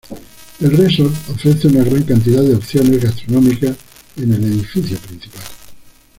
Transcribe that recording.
El resort ofrece una gran cantidad de opciones gastronómicas en el edificio principal.